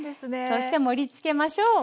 そして盛りつけましょう！